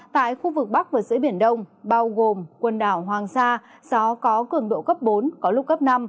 tại khu vực bắc và giữa biển đông bao gồm quần đảo hoàng sa gió có cường độ cấp bốn có lúc cấp năm